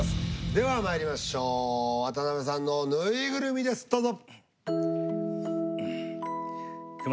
ではまいりましょう渡辺さんの縫いぐるみですどうぞ。